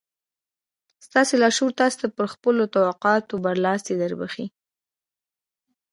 ستاسې لاشعور تاسې ته پر خپلو توقعاتو برلاسي دربښي.